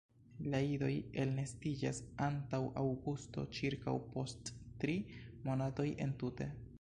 La idoj elnestiĝas antaŭ aŭgusto ĉirkaŭ post tri monatoj entute.